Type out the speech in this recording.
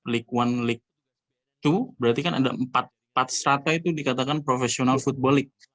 league one league two berarti kan ada empat seterata itu dikatakan professional football league